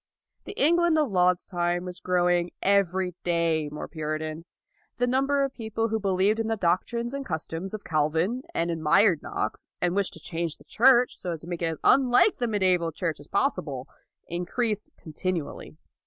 The England of Laud's time was grow ing every day more Puritan. The number of people who believed in the doctrines and customs of Calvin, and admired Knox, and wished to change the Church so as to make it as unlike the Mediaeval Church as possible, increased continually.